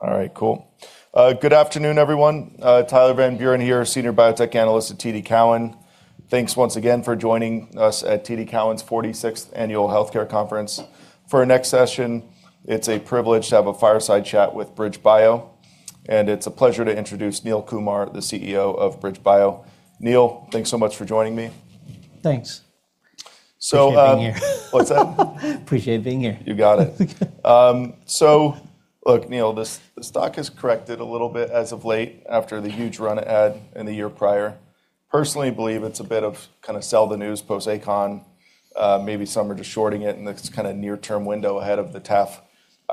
All right, cool. Good afternoon, everyone. Tyler Van Buren here, Senior Biotech Analyst at TD Cowen. Thanks once again for joining us at TD Cowen's 46th Annual Healthcare Conference. For our next session, it's a privilege to have a fireside chat with BridgeBio, it's a pleasure to introduce Neil Kumar, the CEO of BridgeBio. Neil, thanks so much for joining me. Thanks. So, um- Appreciate being here. What's that? Appreciate being here. You got it. Look, Neil, the stock has corrected a little bit as of late after the huge run it had in the year prior. Personally believe it's a bit of kinda sell the news post ACON. Maybe some are just shorting it in the kinda near-term window ahead of the TAF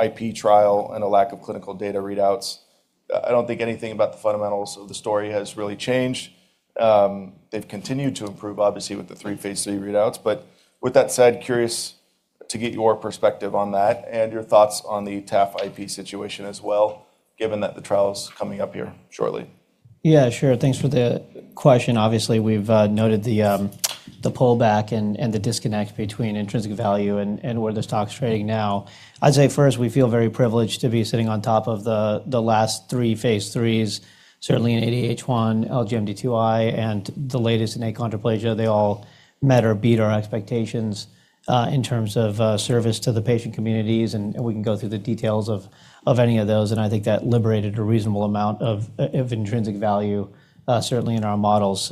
IP trial and a lack of clinical data readouts. I don't think anything about the fundamentals of the story has really changed. They've continued to improve, obviously, with the 3 Phase 3 readouts. With that said, curious to get your perspective on that and your thoughts on the TAF IP situation as well, given that the trial's coming up here shortly. Yeah, sure. Thanks for the question. Obviously, we've noted the pullback and the disconnect between intrinsic value and where the stock's trading now. I'd say first, we feel very privileged to be sitting on top of the last three phase threes, certainly in ADH1, LGMD2I, and the latest in achondroplasia. They all met or beat our expectations in terms of service to the patient communities, and we can go through the details of any of those, and I think that liberated a reasonable amount of intrinsic value, certainly in our models.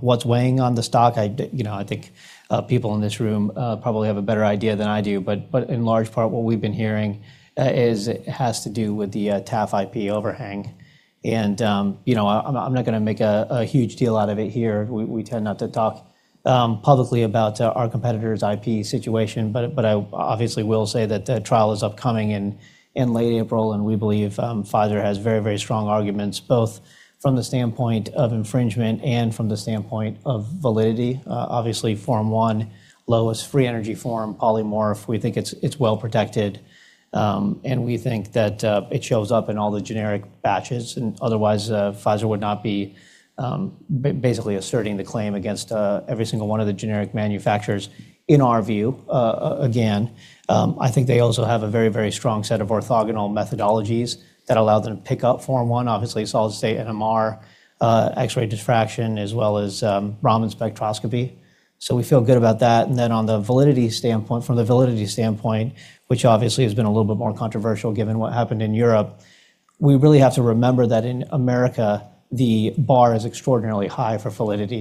What's weighing on the stock, I think people in this room probably have a better idea than I do, but in large part what we've been hearing is it has to do with the TAF IP overhang. I'm not gonna make a huge deal out of it here. We tend not to talk publicly about our competitor's IP situation, but I obviously will say that the trial is upcoming in late April, and we believe Pfizer has very, very strong arguments both from the standpoint of infringement and from the standpoint of validity. Obviously Form I, lowest free energy form polymorph, we think it's well protected, and we think that it shows up in all the generic batches and otherwise Pfizer would not be basically asserting the claim against every single one of the generic manufacturers in our view. Again, I think they also have a very, very strong set of orthogonal methodologies that allow them to pick up Form I, obviously solid-state NMR, X-ray diffraction, as well as Raman spectroscopy. We feel good about that. Then on the validity standpoint, from the validity standpoint, which obviously has been a little bit more controversial given what happened in Europe, we really have to remember that in America, the bar is extraordinarily high for validity.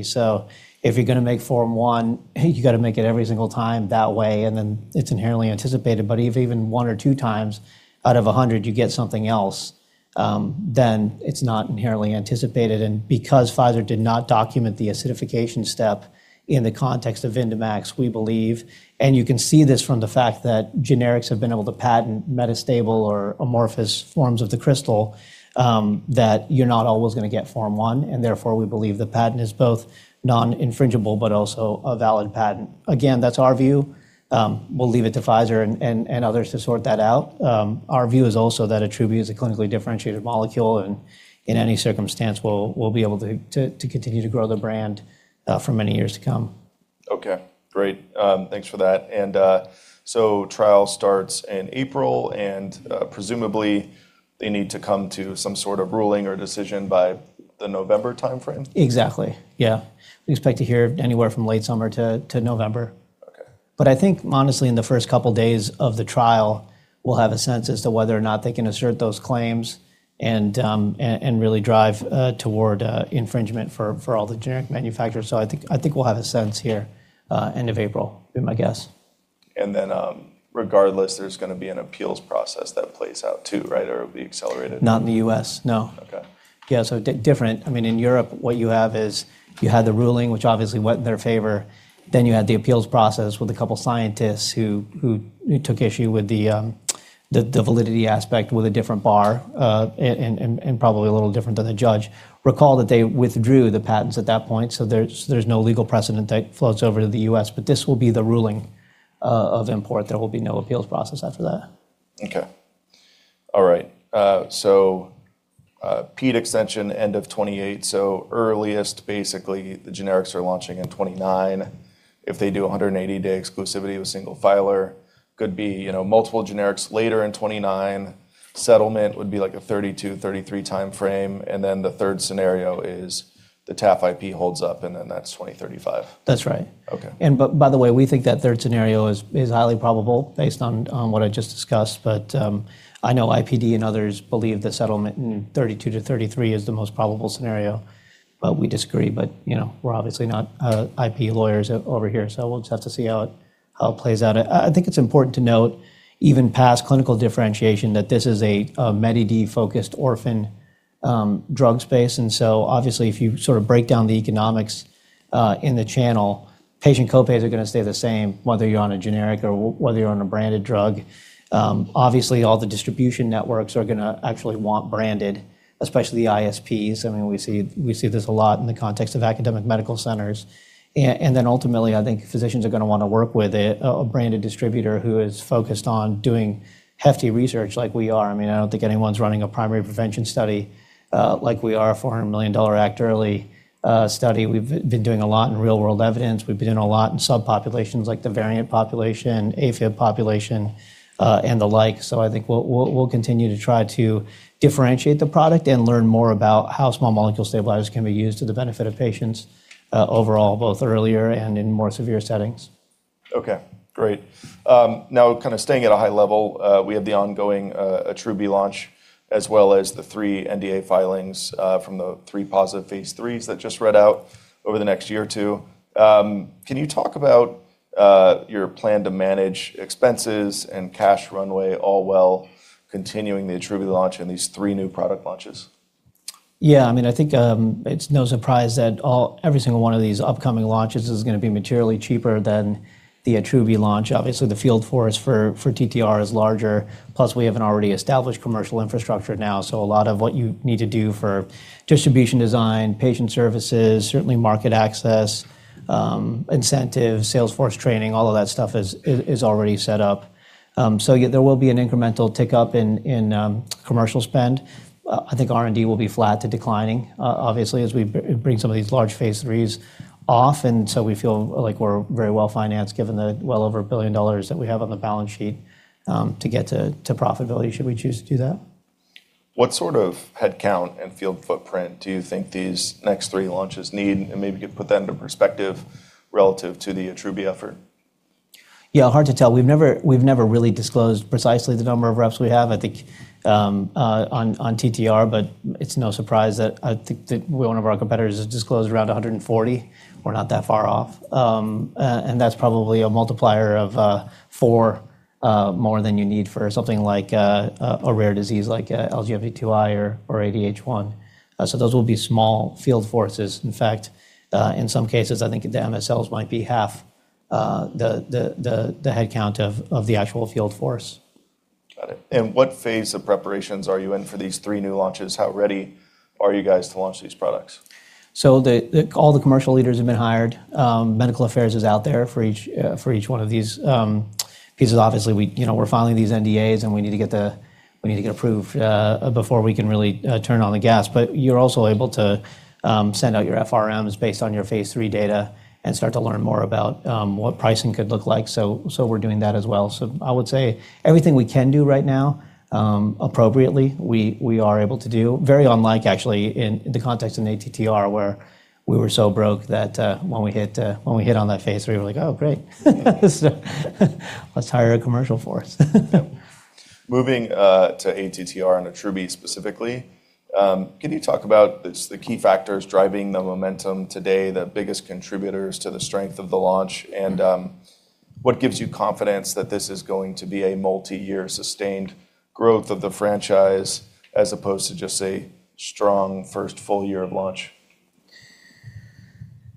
If you're gonna make Form I, you gotta make it every single time that way, and then it's inherently anticipated. If even one or two times out of 100 you get something else, then it's not inherently anticipated. Because Pfizer did not document the acidification step in the context of Vyndamax, we believe, and you can see this from the fact that generics have been able to patent metastable or amorphous forms of the crystal, that you're not always gonna get Form I, and therefore we believe the patent is both non-infringible but also a valid patent. Again, that's our view. We'll leave it to Pfizer and others to sort that out. Our view is also that ATTR is a clinically differentiated molecule and in any circumstance we'll be able to continue to grow the brand for many years to come. Okay, great. Thanks for that. Trial starts in April, and presumably they need to come to some sort of ruling or decision by the November timeframe? Exactly, yeah. We expect to hear anywhere from late summer to November. Okay. I think honestly, in the first couple days of the trial, we'll have a sense as to whether or not they can assert those claims and really drive toward infringement for all the generic manufacturers. I think we'll have a sense here, end of April, be my guess. Regardless, there's gonna be an appeals process that plays out too, right? It'll be accelerated? Not in the U.S., no. Okay. Different. I mean, in Europe, what you have is you had the ruling, which obviously went in their favor, you had the appeals process with a couple scientists who took issue with the validity aspect with a different bar, probably a little different than the judge. Recall that they withdrew the patents at that point, there's no legal precedent that floats over to the U.S., but this will be the ruling of import. There will be no appeals process after that. Okay. All right. Pediatric exclusivity end of 2028, so earliest basically the generics are launching in 2029. If they do a 180-day exclusivity with single filer, could be, multiple generics later in 2029. Settlement would be like a 2032-2033 timeframe. The third scenario is the TAF IP holds up, and then that's 2035. That's right. Okay. By the way, we think that third scenario is highly probable based on what I just discussed. I know IPD and others believe the settlement in 32 to 33 is the most probable scenario, but we disagree. We're obviously not IP lawyers over here, so we'll just have to see how it plays out. I think it's important to note even past clinical differentiation that this is a Medi-D focused orphan drug space, and so obviously if you sort of break down the economics in the channel, patient co-pays are gonna stay the same whether you're on a generic or whether you're on a branded drug. Obviously all the distribution networks are gonna actually want branded, especially the ISPs. I mean, we see this a lot in the context of academic medical centers. Ultimately, I think physicians are gonna wanna work with a branded distributor who is focused on doing hefty research like we are. I mean, I don't think anyone's running a primary prevention study like we are, a $400 million Act Early study. We've been doing a lot in real-world evidence. We've been doing a lot in subpopulations like the variant population, AFib population, and the like. I think we'll continue to try to differentiate the product and learn more about how small molecule stabilizers can be used to the benefit of patients overall, both earlier and in more severe settings. Great. Now kind of staying at a high level, we have the ongoing Atrubie launch as well as the 3 NDA filings from the 3 positive phase 3s that just read out over the next year or two. Can you talk about your plan to manage expenses and cash runway all while continuing the Atrubie launch and these 3 new product launches? Yeah. I mean, I think, it's no surprise that every single one of these upcoming launches is gonna be materially cheaper than the Atrubie launch. Obviously, the field force for TTR is larger, plus we have an already established commercial infrastructure now. A lot of what you need to do for distribution design, patient services, certainly market access, incentives, sales force training, all of that stuff is already set up. Yeah, there will be an incremental tick-up in commercial spend. I think R&D will be flat to declining obviously as we bring some of these large phase threes off, and so we feel like we're very well-financed given the well over $1 billion that we have on the balance sheet, to get to profitability should we choose to do that. What sort of headcount and field footprint do you think these next three launches need? Maybe could put that into perspective relative to the Atrubie effort. Yeah, hard to tell. We've never really disclosed precisely the number of reps we have, I think, on TTR, but it's no surprise that one of our competitors has disclosed around 140. We're not that far off. That's probably a multiplier of 4 more than you need for something like a rare disease like LGMD2I or ADH1. Those will be small field forces. In fact, in some cases, I think the MSLs might be half the headcount of the actual field force. Got it. What phase of preparations are you in for these 3 new launches? How ready are you guys to launch these products? All the commercial leaders have been hired. Medical affairs is out there for each, for each one of these pieces. Obviously, we, we're filing these NDAs, and we need to get approved before we can really turn on the gas. You're also able to send out your FRMs based on your phase 3 data and start to learn more about what pricing could look like. We're doing that as well. I would say everything we can do right now, appropriately, we are able to do. Very unlike actually in the context of an ATTR where we were so broke that when we hit, when we hit on that phase 3, we're like, "Oh, great." "Let's hire a commercial force. Moving to ATTR and acoramidis specifically, can you talk about the key factors driving the momentum today, the biggest contributors to the strength of the launch, and what gives you confidence that this is going to be a multi-year sustained growth of the franchise as opposed to just a strong first full year of launch?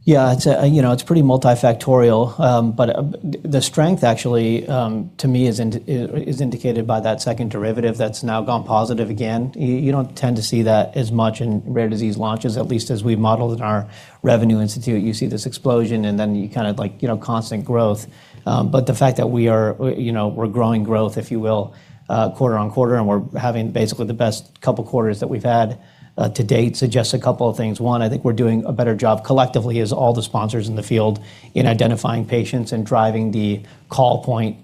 Yeah. It's, pretty multifactorial. The strength actually, to me is indicated by that second derivative that's now gone positive again. You don't tend to see that as much in rare disease launches, at least as we modeled in our revenue institute. You see this explosion and then you kinda like, constant growth. The fact that we are, we're growing growth, if you will, quarter on quarter, and we're having basically the best couple quarters that we've had to date suggests a couple of things. One, I think we're doing a better job collectively as all the sponsors in the field in identifying patients and driving the call point,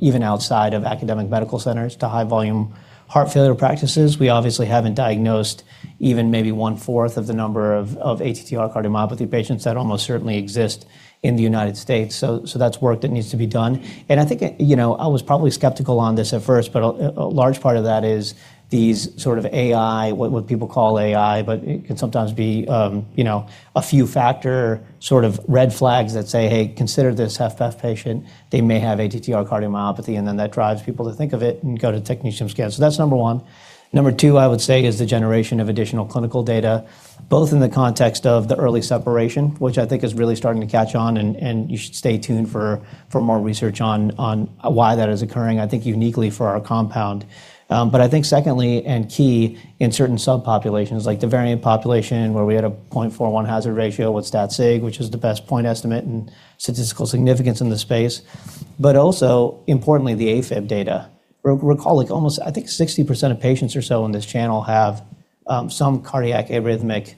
even outside of academic medical centers to high volume heart failure practices. We obviously haven't diagnosed even maybe 1/4 of the number of ATTR cardiomyopathy patients that almost certainly exist in the United States. That's work that needs to be done. I think, I was probably skeptical on this at first, but a large part of that is these sorts of AI, what people call AI, but it can sometimes be, a few factor sort of red flags that say, "Hey, consider this FF patient. They may have ATTR cardiomyopathy," and then that drives people to think of it and go to technetium scan. That's number one. Number 2, I would say is the generation of additional clinical data, both in the context of the early separation, which I think is really starting to catch on and you should stay tuned for more research on why that is occurring, I think uniquely for our compound. But I think secondly and key in certain subpopulations, like the variant population where we had a 0.41 hazard ratio with stat sig, which is the best point estimate and statistical significance in the space. But also importantly, the AFib data. Recall, like almost I think 60% of patients or so on this channel have some cardiac arrhythmic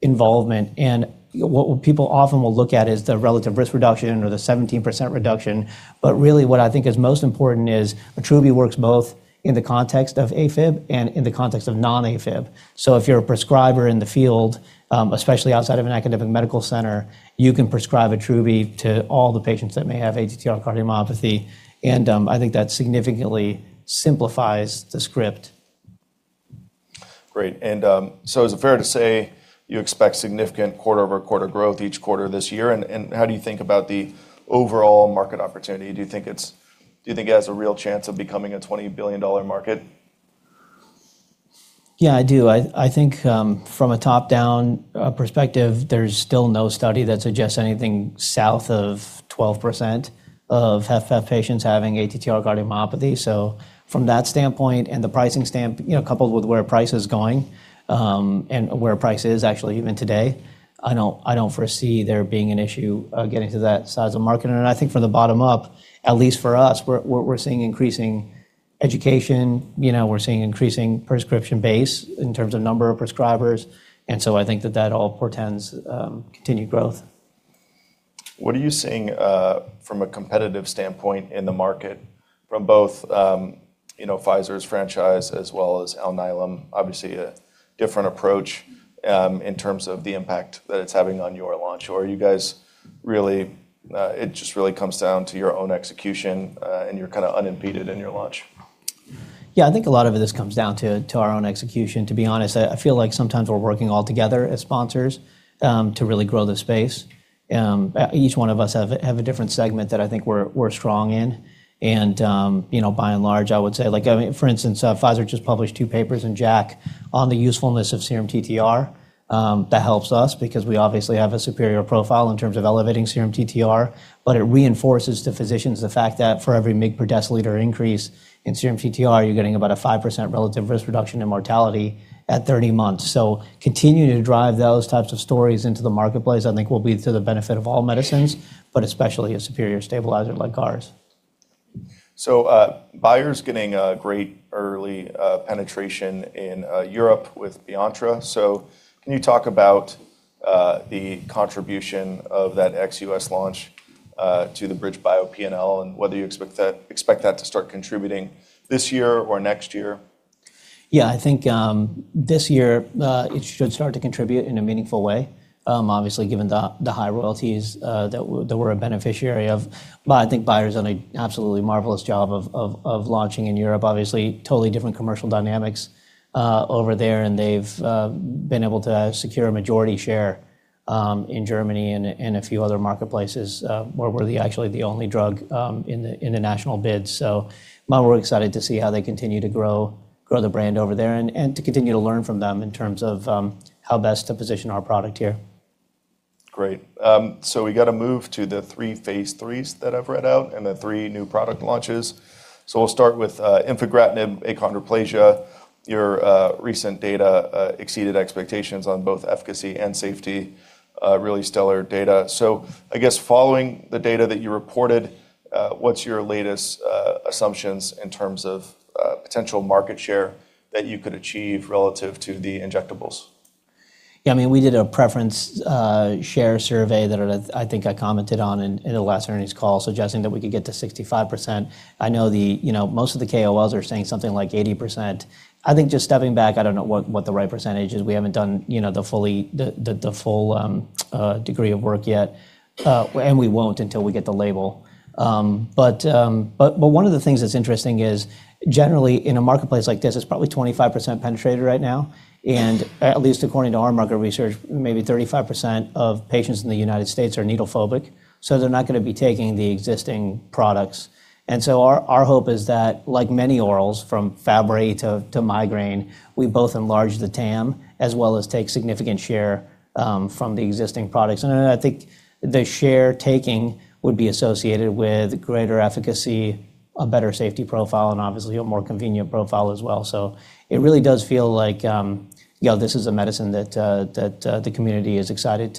involvement, and what people often will look at is the relative risk reduction or the 17% reduction. Really what I think is most important is Atrubie works both in the context of AFib and in the context of non-AFib. If you're a prescriber in the field, especially outside of an academic medical center, you can prescribe Atrubie to all the patients that may have ATTR cardiomyopathy, and I think that significantly simplifies the script. Great. Is it fair to say you expect significant quarter-over-quarter growth each quarter this year? How do you think about the overall market opportunity? Do you think it has a real chance of becoming a $20 billion market? Yeah, I do. I think, from a top-down perspective, there's still no study that suggests anything south of 12% of FF patients having ATTR cardiomyopathy. From that standpoint and the pricing stamp, coupled with where price is going, and where price is actually even today, I don't, I don't foresee there being an issue, getting to that size of market. I think from the bottom up, at least for us, we're seeing increasing education, we're seeing increasing prescription base in terms of number of prescribers. I think that that all portends continued growth. What are you seeing, from a competitive standpoint in the market from both, Pfizer's franchise as well as Alnylam? Obviously, a different approach, in terms of the impact that it's having on your launch. Are you guys really, it just really comes down to your own execution, and you're kind of unimpeded in your launch? I think a lot of this comes down to our own execution, to be honest. I feel like sometimes we're working all together as sponsors, to really grow the space. Each one of us have a different segment that I think we're strong in and, by and large, I would say, like, I mean, for instance, Pfizer just published two papers in JACC on the usefulness of serum TTR. That helps us because we obviously have a superior profile in terms of elevating serum TTR, but it reinforces to physicians the fact that for every mg per deciliter increase in serum TTR, you're getting about a 5% relative risk reduction in mortality at 30 months. Continuing to drive those types of stories into the marketplace, I think will be to the benefit of all medicines, but especially a superior stabilizer like ours. Bayer's getting a great early penetration in Europe with Beontra. Can you talk about the contribution of that ex US launch to the BridgeBio P&L and whether you expect that to start contributing this year or next year? Yeah. I think this year it should start to contribute in a meaningful way, obviously, given the high royalties that we're a beneficiary of. I think Bayer's done a absolutely marvelous job of launching in Europe. Obviously, totally different commercial dynamics over there, and they've been able to secure a majority share in Germany and a few other marketplaces where we're actually the only drug in the national bid. Well, we're excited to see how they continue to grow the brand over there and to continue to learn from them in terms of how best to position our product here. Great. We gotta move to the 3 phase 3s that I've read out and the 3 new product launches. We'll start with infigratinib achondroplasia. Your recent data exceeded expectations on both efficacy and safety, really stellar data. I guess following the data that you reported, what's your latest assumptions in terms of potential market share that you could achieve relative to the injectables? Yeah, I mean, we did a preference, share survey that I think I commented on in the last earnings call suggesting that we could get to 65%. I know the, most of the KOLs are saying something like 80%. I think just stepping back, I don't know what the right percentage is. We haven't done, the full degree of work yet, and we won't until we get the label. One of the things that's interesting is generally in a marketplace like this, it's probably 25% penetrated right now, and at least according to our market research, maybe 35% of patients in the United States are needle phobic, so they're not gonna be taking the existing products. Our hope is that like many orals from Fabry to migraine, we both enlarge the TAM as well as take significant share from the existing products. I think the share taking would be associated with greater efficacy, a better safety profile, and obviously a more convenient profile as well. It really does feel like, this is a medicine that the community is excited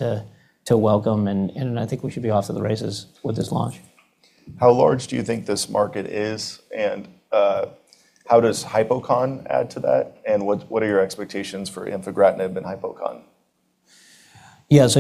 to welcome and I think we should be off to the races with this launch. How large do you think this market is and, how does hypochondroplasia add to that? What are your expectations for infigratinib and hypochondroplasia?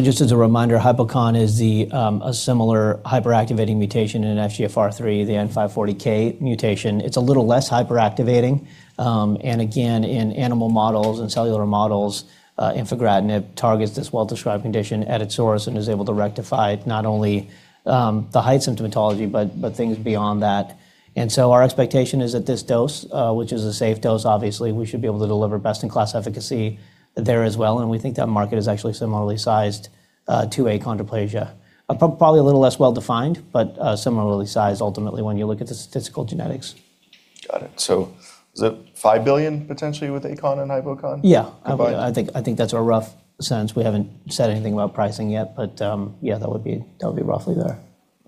Just as a reminder, hypochondroplasia is a similar hyperactivating mutation in FGFR3, the N540K mutation. It's a little less hyperactivating, and again, in animal models and cellular models, infigratinib targets this well-described condition at its source and is able to rectify not only the height symptomatology, but things beyond that. Our expectation is at this dose, which is a safe dose, obviously, we should be able to deliver best-in-class efficacy there as well, and we think that market is actually similarly sized to achondroplasia. Probably a little less well-defined, but similarly sized ultimately when you look at the statistical genetics. Got it. Is it $5 billion potentially with Acon and hypochondroplasia combined? Yeah. I think that's a rough sense. We haven't said anything about pricing yet, but, yeah, that would be roughly there.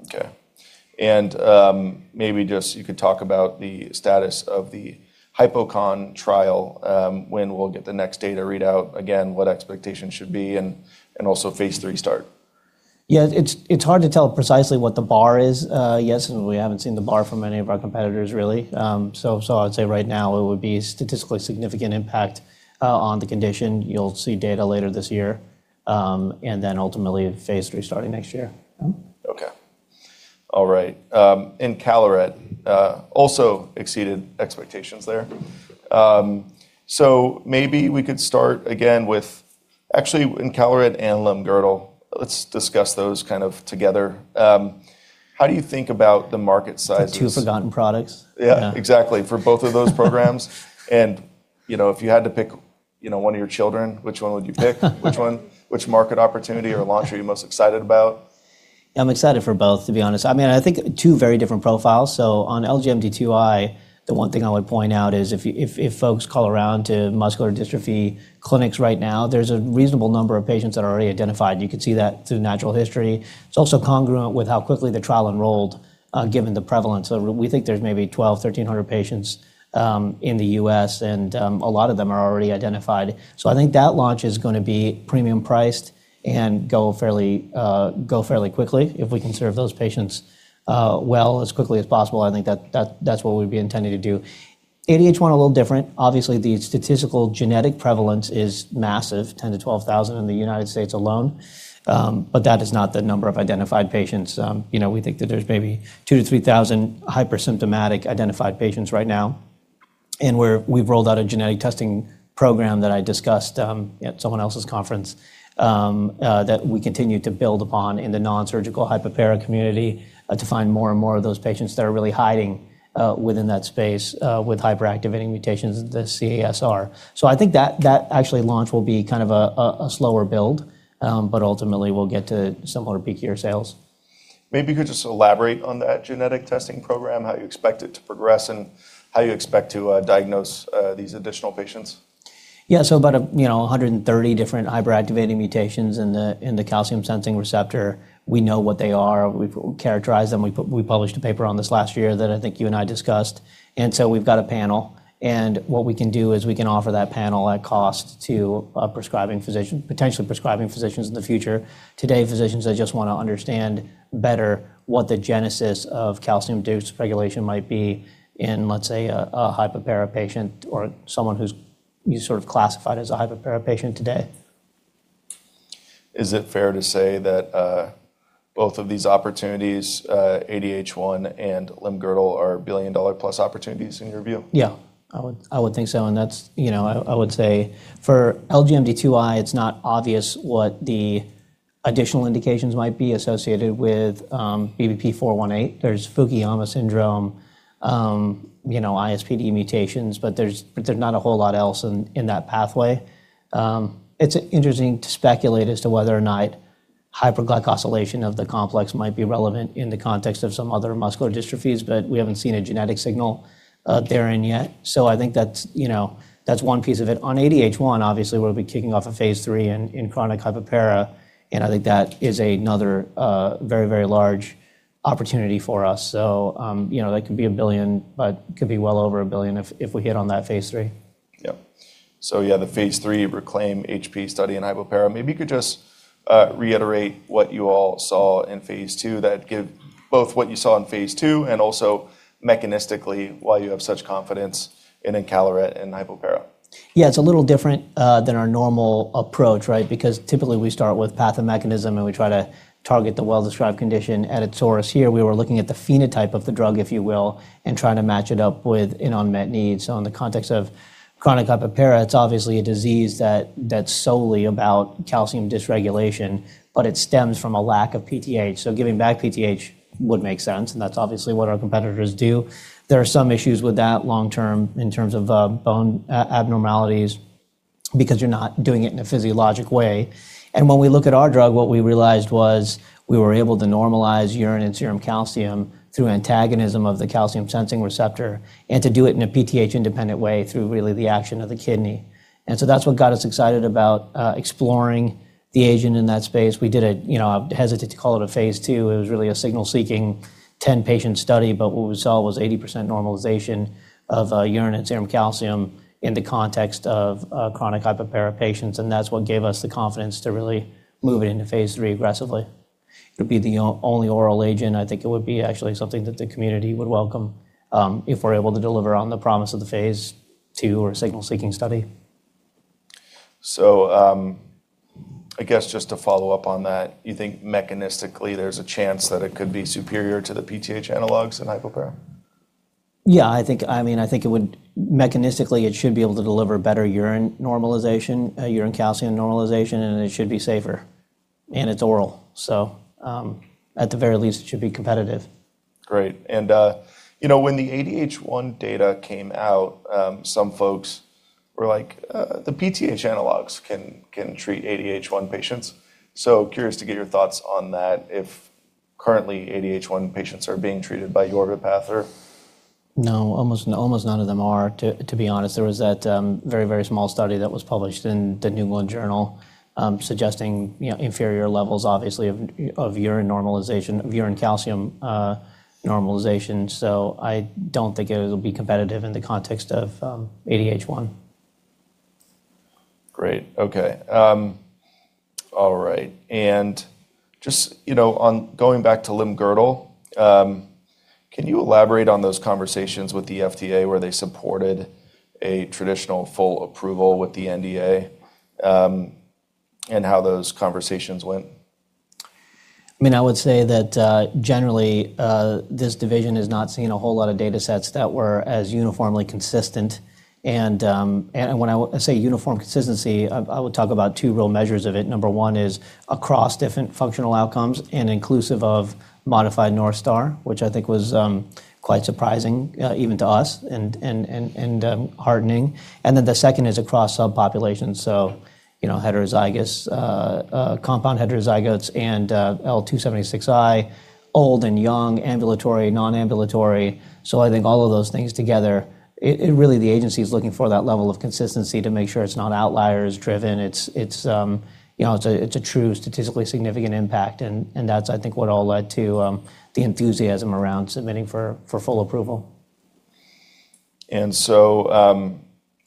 Okay. Maybe just you could talk about the status of the hypochondroplasia trial, when we'll get the next data readout. Again, what expectations should be and also phase 3 start. Yeah. It's hard to tell precisely what the bar is. Yes, we haven't seen the bar from any of our competitors really. I'd say right now it would be statistically significant impact on the condition. You'll see data later this year, ultimately phase 3 starting next year. Yeah. Okay. All right encaleret also exceeded expectations there. Maybe we could start again with. Actually encaleret and limb-girdle, let's discuss those kind of together. How do you think about the market sizes- The two forgotten products? Yeah, exactly. For both of those programs. You know, if you had to pick, one of your children, which one would you pick? Which one, which market opportunity or launch are you most excited about? I'm excited for both, to be honest. I mean, I think two very different profiles. On LGMD2I, the one thing I would point out is if folks call around to muscular dystrophy clinics right now, there's a reasonable number of patients that are already identified. You could see that through natural history. It's also congruent with how quickly the trial enrolled, given the prevalence. We think there's maybe 1,200-1,300 patients in the U.S. and a lot of them are already identified. I think that launch is gonna be premium priced and go fairly quickly if we can serve those patients, well, as quickly as possible, I think that's what we'd be intending to do. ADH1 a little different. Obviously, the statistical genetic prevalence is massive, 10,000-12,000 in the United States alone, that is not the number of identified patients. You know, we think that there's maybe 2,000-3,000 hyper symptomatic identified patients right now. We've rolled out a genetic testing program that I discussed at someone else's conference that we continue to build upon in the non-surgical hypoparathyroidism community to find more and more of those patients that are really hiding within that space with hyperactivating mutations, the CASR. I think that actually launch will be kind of a slower build, ultimately we'll get to similar peakier sales. Maybe you could just elaborate on that genetic testing program, how you expect it to progress, and how you expect to diagnose these additional patients? Yeah. About, 130 different hyperactivating mutations in the calcium-sensing receptor. We know what they are. We've characterized them. We published a paper on this last year that I think you and I discussed. We've got a panel, and what we can do is we can offer that panel at cost to a prescribing physician, potentially prescribing physicians in the future. Today, physicians that just wanna understand better what the genesis of calcium-induced regulation might be in, let's say, a hypoparathyroidism patient or someone who's you sort of classified as a hypoparathyroidism patient today. Is it fair to say that, both of these opportunities, ADH1 and Limb-girdle are billion-dollar-plus opportunities in your view? Yeah, I would think so. That's, I would say for LGMD2I, it's not obvious what the additional indications might be associated with BBP-418. There's Fukuyama syndrome, ISPD mutations, but there's not a whole lot else in that pathway. It's interesting to speculate as to whether or not hyperglycosylation of the complex might be relevant in the context of some other muscular dystrophies, but we haven't seen a genetic signal therein yet. I think that's one piece of it. On ADH1, obviously, we'll be kicking off a phase 3 in chronic hypoparathyroid, I think that is another very large opportunity for us. That could be $1 billion, could be well over $1 billion if we hit on that phase 3. Yep. Yeah, the Phase 3 RECLAIM-HP study in hypoparathyroidism. Maybe you could just reiterate both what you saw in Phase 2 and also mechanistically why you have such confidence in Encalaret in hypoparathyroidism. Yeah, it's a little different than our normal approach, right? Typically we start with pathomechanism, and we try to target the well-described condition at its source. Here, we were looking at the phenotype of the drug, if you will, and trying to match it up with an unmet need. In the context of chronic hypoparathyroidism, it's obviously a disease that's solely about calcium dysregulation, but it stems from a lack of PTH. Giving back PTH would make sense, and that's obviously what our competitors do. There are some issues with that long term in terms of bone abnormalities because you're not doing it in a physiologic way. When we look at our drug, what we realized was we were able to normalize urine and serum calcium through antagonism of the calcium-sensing receptor and to do it in a PTH-independent way through really the action of the kidney. That's what got us excited about exploring the agent in that space. We did a, I hesitate to call it a phase 2. It was really a signal-seeking 10-patient study, but what we saw was 80% normalization of urine and serum calcium in the context of chronic hypoparathyroidism patients. That's what gave us the confidence to really move it into phase 3 aggressively. It would be the only oral agent. I think it would be actually something that the community would welcome if we're able to deliver on the promise of the phase 2 or signal-seeking study. I guess just to follow up on that, you think mechanistically there's a chance that it could be superior to the PTH analogs in hypoparathyroidism? I mean, I think it would Mechanistically, it should be able to deliver better urine normalization, urine calcium normalization, and it should be safer. It's oral. At the very least, it should be competitive. Great. when the ADH1 data came out, some folks were like, "The PTH analogs can treat ADH1 patients." Curious to get your thoughts on that if currently ADH1 patients are being treated by Aurba or Natpara? No. Almost none of them are to be honest. There was that very small study that was published in The New England Journal, suggesting, inferior levels, obviously of urine calcium normalization. I don't think it'll be competitive in the context of ADH1. Great. Okay. All right. Just, on going back to limb-girdle, can you elaborate on those conversations with the FDA where they supported a traditional full approval with the NDA, and how those conversations went? I mean, I would say that, generally, this division is not seeing a whole lot of datasets that were as uniformly consistent. When I say uniform consistency, I would talk about 2 real measures of it. Number 1 is across different functional outcomes and inclusive of modified North Star, which I think was quite surprising, even to us and heartening. Then the second is across subpopulations. heterozygous, compound heterozygotes and L276I, old and young, ambulatory, non-ambulatory. I think all of those things together, it really the agency is looking for that level of consistency to make sure it's not outliers driven. It's, a true statistically significant impact, and that's, I think, what all led to, the enthusiasm around submitting for full approval.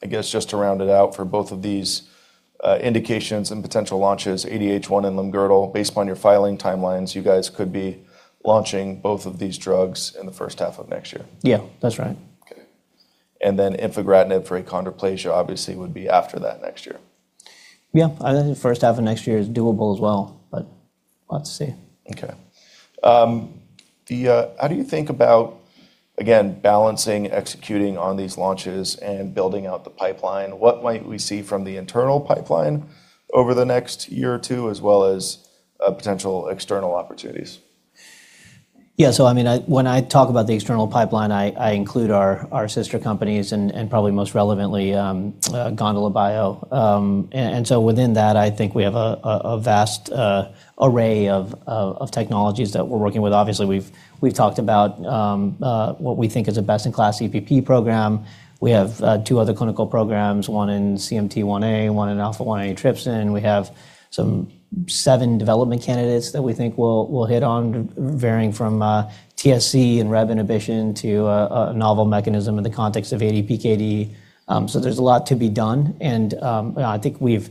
I guess just to round it out for both of these, indications and potential launches, ADH1 and Limb-girdle, based upon your filing timelines, you guys could be launching both of these drugs in the first half of next year. Yeah, that's right. Okay. infigratinib for achondroplasia obviously would be after that next year. Yeah. I think the first half of next year is doable as well, but let's see. Okay. How do you think about, again, balancing executing on these launches and building out the pipeline? What might we see from the internal pipeline over the next year or two, as well as, potential external opportunities? Yeah. I mean, I when I talk about the external pipeline, I include our sister companies and probably most relevantly, Gondobio. Within that, I think we have a vast array of technologies that we're working with. Obviously, we've talked about what we think is a best-in-class EPP program. We have two other clinical programs, one in CMT1A, one in alpha-1 antitrypsin. We have some seven development candidates that we think we'll hit on varying from TSC and rev inhibition to a novel mechanism in the context of ADPKD. There's a lot to be done, and I think we've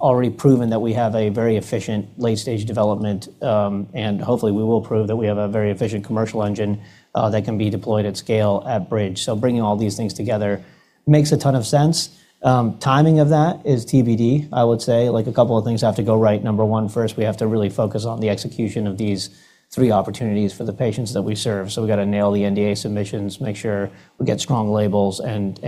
already proven that we have a very efficient late-stage development, and hopefully, we will prove that we have a very efficient commercial engine that can be deployed at scale at BridgeBio. Bringing all these things together makes a ton of sense. Timing of that is TBD, I would say. Like, a couple of things have to go right. Number one, first, we have to really focus on the execution of these three opportunities for the patients that we serve. We gotta nail the NDA submissions, make sure we get strong labels and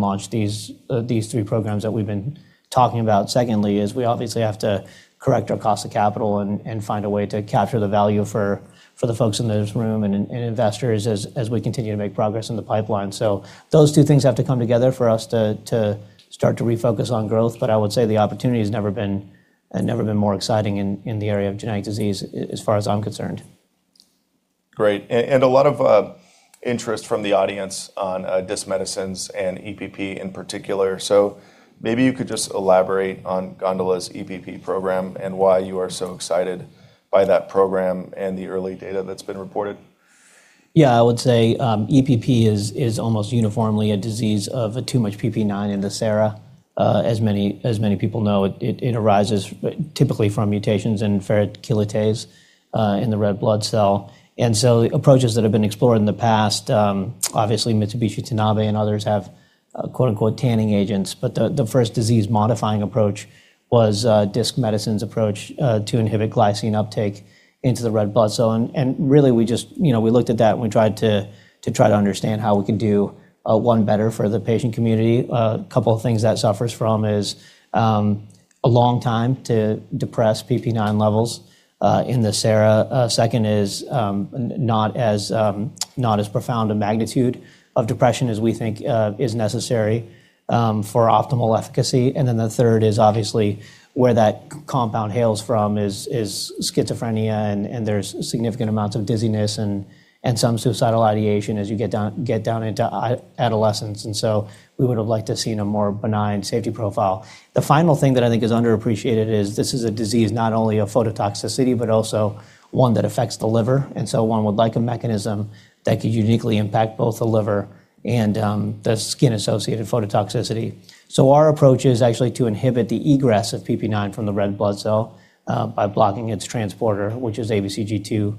launch these three programs that we've been talking about. Secondly is we obviously have to correct our cost of capital and find a way to capture the value for the folks in this room and investors as we continue to make progress in the pipeline. Those two things have to come together for us to start to refocus on growth. I would say the opportunity has never been more exciting in the area of genetic disease as far as I'm concerned. Great. And a lot of interest from the audience on Disc Medicine's and EPP in particular. Maybe you could just elaborate on Gondola's EPP program and why you are so excited by that program and the early data that's been reported? Yeah. I would say, EPP is almost uniformly a disease of too much PPIX in the sera. As many people know, it arises typically from mutations in ferrochelatase in the red blood cell. Approaches that have been explored in the past, obviously Mitsubishi Tanabe Pharma Corporation and others have, quote-unquote, "tanning agents". The first disease-modifying approach was Disc Medicine's approach to inhibit glycine uptake into the red blood cell. Really we just, we looked at that and we tried to try to understand how we could do 1 better for the patient community. Couple of things that suffers from is a long time to depress PPIX levels in the sera. Second is, not as, not as profound a magnitude of depression as we think, is necessary, for optimal efficacy. The third is obviously where that compound hails from is schizophrenia and there's significant amounts of dizziness and some suicidal ideation as you get down into adolescence. We would have liked to have seen a more benign safety profile. The final thing that I think is underappreciated is this is a disease not only of phototoxicity, but also one that affects the liver. One would like a mechanism that could uniquely impact both the liver and the skin-associated phototoxicity. Our approach is actually to inhibit the egress of PPIX from the red blood cell by blocking its transporter, which is ABCG2.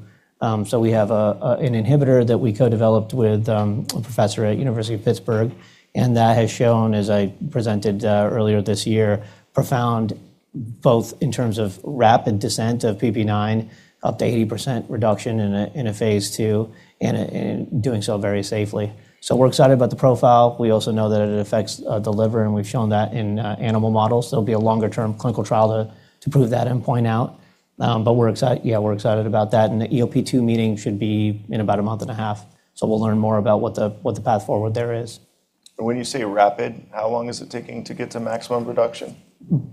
We have an inhibitor that we co-developed with a professor at University of Pittsburgh, and that has shown, as I presented earlier this year, profound both in terms of rapid descent of PPIX, up to 80% reduction in a Phase 2, and doing so very safely. We're excited about the profile. We also know that it affects the liver, and we've shown that in animal models. There'll be a longer-term clinical trial to prove that endpoint out. We're excited about that. The EOP2 meeting should be in about a month and a half, so we'll learn more about what the path forward there is. When you say rapid, how long is it taking to get to maximum reduction?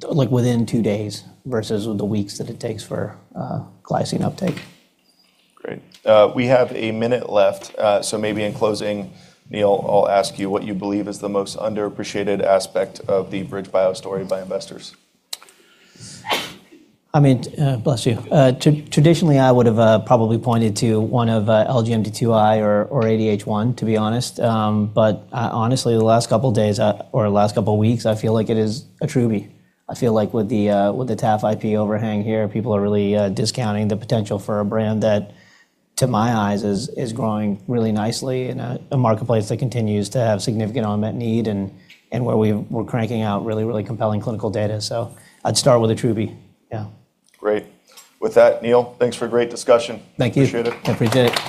Like, within two days versus the weeks that it takes for glycine uptake. Great. We have a minute left. Maybe in closing, Neil, I'll ask you what you believe is the most underappreciated aspect of the BridgeBio story by investors. I mean. Bless you. Traditionally, I would have probably pointed to one of LGMD2I or ADH1, to be honest. Honestly, the last couple days or last couple weeks, I feel like it is Atrubie. I feel like with the TAF IP overhang here, people are really discounting the potential for a brand that, to my eyes, is growing really nicely in a marketplace that continues to have significant unmet need and where we're cranking out really, really compelling clinical data. I'd start with Atrubie. Yeah. Great. With that, Neil, thanks for a great discussion. Thank you. Appreciate it